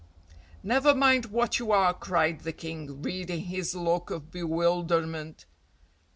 "Never mind what you are," cried the King, reading his look of bewilderment.